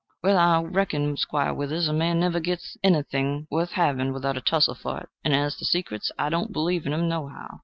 "Well, I reckon, Squire Withers, a man never gits anything wuth havin' without a tussle for it; and as to secrets, I don't believe in them, nohow."